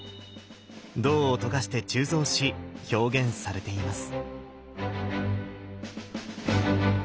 銅を溶かして鋳造し表現されています。